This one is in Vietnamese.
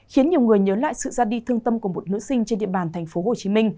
khiến nhiều người nhớ lại sự ra đi thương tâm của một nữ sinh trên địa bàn tp hcm